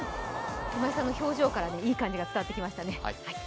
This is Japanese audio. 今井さんの表情からいい感じが伝わってきましたね。